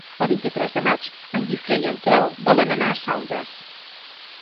El vint-i-tres de maig en Guifré i en Quel volen anar a Saldes.